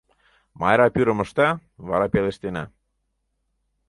Майра пӱрым ышта, вара пелештена.